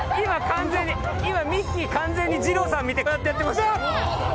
今ミッキー完全に二朗さん見てこうやってやってました。